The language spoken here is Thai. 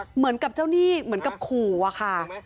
เหมือนกับเจ้าหนี้เหมือนกับขู่อะค่ะ